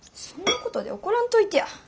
そんなことで怒らんといてや。